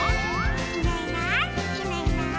「いないいないいないいない」